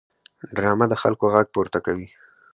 ډرامه د خلکو غږ پورته کوي